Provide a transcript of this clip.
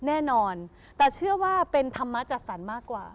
แน่นอนแต่เชื่อว่าเป็นธรรมจัดสรรมากกว่า